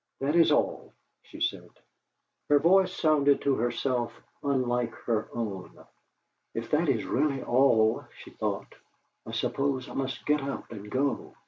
"That is all," she said. Her voice sounded to herself unlike her own. '.f that is really all,' she thought, 'I suppose I must get up and go!'